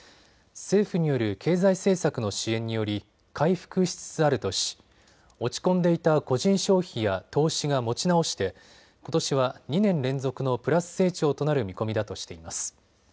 政府による経済政策の支援により回復しつつあるとし落ち込んでいた個人消費や投資が持ち直してことしは２年連続のプラス成長となる見込みだとしています。